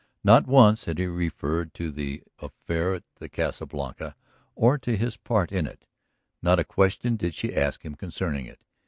Not once had he referred to the affair at the Casa Blanca or to his part in it; not a question did she ask him concerning it.